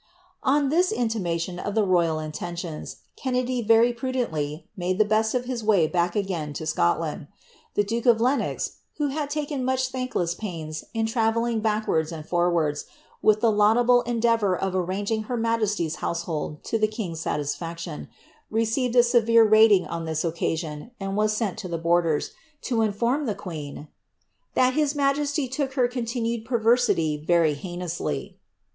' 0:'. which intimation of the royal intentions, Kennedy very prudentlv maile the best of his way bark again lo Scoilami. Tlie duke of Lenos. why had taken much lliankless pains in travelling backwards and foruaii^^. with the laudable endeavour of arranging licr majesty's household to the king's satisfaction, received a severe rating on this occasion, and ni* aeiil lo the borders, lo inform ibe queen, ■' iliat his majesty look ha continued perversity very heinously."